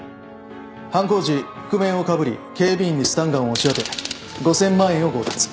犯行時覆面をかぶり警備員にスタンガンを押し当て５，０００万円を強奪。